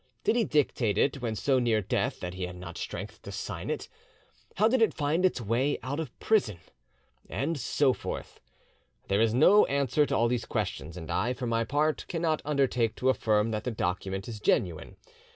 Did he dictate it when so near death that he had not strength to sign it? How did it find its way out of prison? And so forth. There is no answer to all these questions, and I, for my part, cannot undertake to affirm that the document is genuine.